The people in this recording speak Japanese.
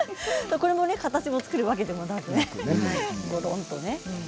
これも形を作るわけでもなく、コロンとね。